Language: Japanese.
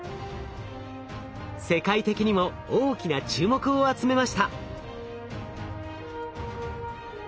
世界的にも大きな注目を集めました。